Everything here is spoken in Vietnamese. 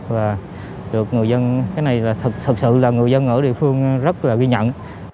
và được người dân cái này là thật sự là người dân ở địa phương rất là ghi nhận